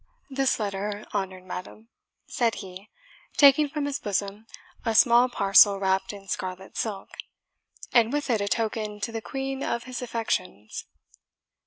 "This letter, honoured madam," said he, taking from his bosom a small parcel wrapped in scarlet silk, "and with it a token to the Queen of his Affections."